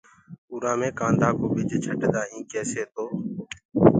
اُرآ مي ڪآڌآ ڪو ٻج ڇٽدآ هين ڪيسي تو